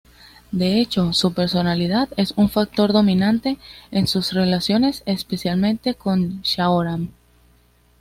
De hecho, su personalidad es un factor dominante en sus relaciones, especialmente con Shaoran.